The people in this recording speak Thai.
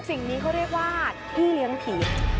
สิ่งนี้เขาเรียกว่าพี่เลี้ยงผี